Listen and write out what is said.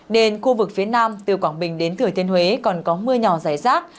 nên khu vực phía nam từ quảng bình đến thừa thiên huế còn có mưa nhỏ dài rác